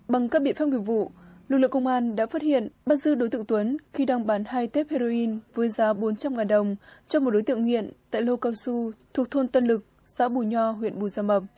bằng các biện pháp nghiệp vụ lực lượng công an đã phát hiện bắt giữ đối tượng tuấn khi đang bán hai thép heroin với giá bốn trăm linh đồng cho một đối tượng nghiện tại lô cao su thuộc thôn tân lực xã bù nho huyện bù gia mập